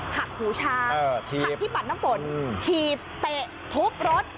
หักหูชาหักที่ปัดน้ำฝนถีบเตะทุบรถ